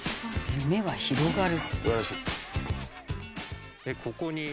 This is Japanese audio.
夢は広がる。